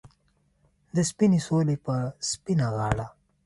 د سپینې سولې په سپینه غاړه